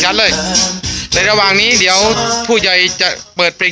กันเลยในระหว่างนี้เดี๋ยวผู้ใหญ่จะเปิดเพลง